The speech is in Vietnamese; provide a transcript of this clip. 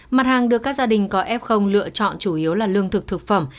mặt hàng được các gia đình có f lựa chọn chủ yếu là lương thực thực phẩm